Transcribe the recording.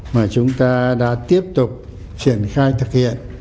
mà chúng ta đã tiếp tục triển khai thực hiện